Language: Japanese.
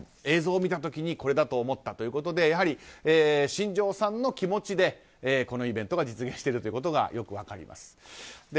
映像見た時にこれだと思ったとやはり、新庄さんの気持ちでこのイベントが実現してるということがよく分かります。